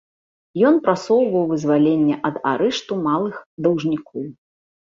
Ён прасоўваў вызваленне ад арышту малых даўжнікоў.